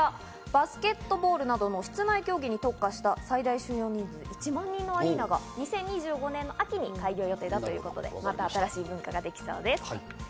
バスケットボールなどの室内競技に特化した最大収容人数１万人のアリーナが２０２５年の秋に開業予定だということで、また新しい魅力ができそうです。